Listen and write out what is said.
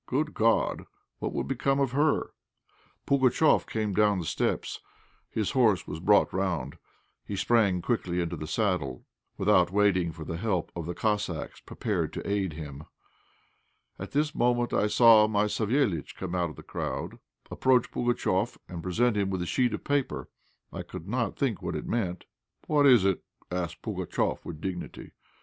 Good God! what would become of her? Pugatchéf came down the steps, his horse was brought round, he sprang quickly into the saddle, without waiting for the help of the Cossacks prepared to aid him. At this moment I saw my Savéliitch come out of the crowd, approach Pugatchéf, and present him with a sheet of paper. I could not think what it all meant. "What is it?" asked Pugatchéf, with dignity.